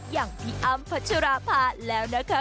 อย่างพี่อ้ำพัชราภาแล้วนะคะ